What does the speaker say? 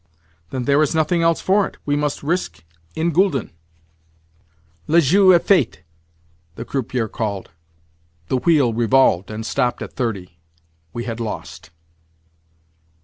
"Then there is nothing else for it. We must risk in gülden." "Le jeu est fait!" the croupier called. The wheel revolved, and stopped at thirty. We had lost!